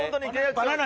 バナナ？